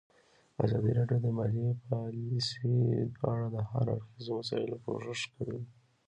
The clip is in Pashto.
ازادي راډیو د مالي پالیسي په اړه د هر اړخیزو مسایلو پوښښ کړی.